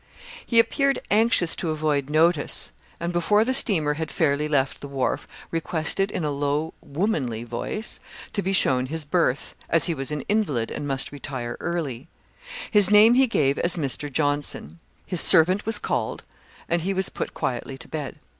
"He appeared anxious to avoid notice, and before the steamer had fairly left the wharf, requested, in a low, womanly voice, to be shown his berth, as he was an invalid, and must retire early: his name he gave as Mr. Johnson. His servant was called, and he was put quietly to bed.